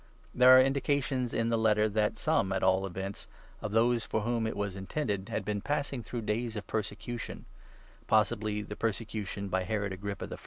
There are indications in the Letter that some, at all events, of those for whom it was intended had been passing through days of persecution — possibly the persecution by Herod Agrippa I.